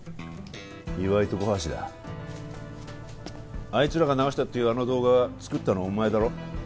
岩井と小橋だあいつらが流したっていうあの動画作ったのお前だろ